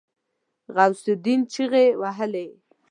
غوث الدين چيغې وهلې.